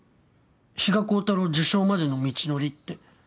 「比嘉光太郎受賞までの道のり」って。